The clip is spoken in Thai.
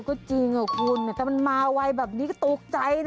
ก็จริงคุณแต่มันมาไวแบบนี้ก็ตกใจนะ